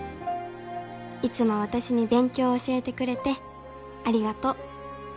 いつも私に勉強を教えてくれてありがとう。